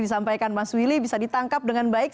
disampaikan mas willy bisa ditangkap dengan baik